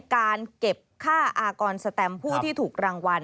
การเก็บค่าอากรสแตมผู้ที่ถูกรางวัล